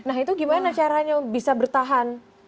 nah itu gimana caranya bisa bertahan